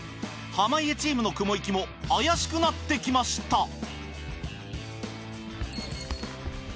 濱家チームの雲行きも怪しくなってきました。